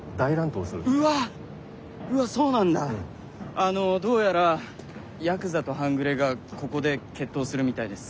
あのどうやらヤクザと半グレがここで決闘するみたいです。